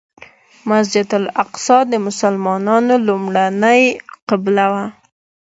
مسجد الاقصی د مسلمانانو لومړنۍ قبله وه.